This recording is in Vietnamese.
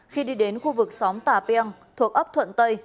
khi đi đến khu vực xóm tà peng thuộc ấp thuận tây